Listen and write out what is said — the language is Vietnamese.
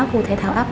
khu thể thao ấp